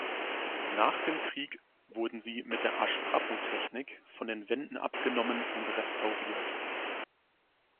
Nach dem Krieg wurden sie mit der A-strappo-Technik von den Wänden abgenommen und restauriert.